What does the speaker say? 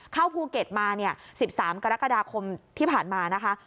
เข้าภูเก็ตมาเนี่ย๑๓กรกฎาคมที่ผ่านมานะคะ